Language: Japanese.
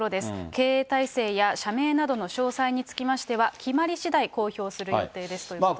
経営体制や社名などの詳細につきましては、決まりしだい公表する予定ですということです。